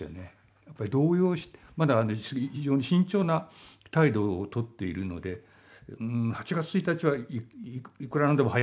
やっぱり動揺してまだ非常に慎重な態度をとっているので８月１日はいくらなんでも早すぎる。